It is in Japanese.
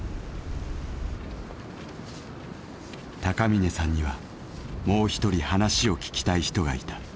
高峰さんにはもう一人話を聞きたい人がいた。